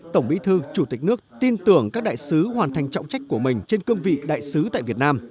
tổng bí thư chủ tịch nước tin tưởng các đại sứ hoàn thành trọng trách của mình trên cương vị đại sứ tại việt nam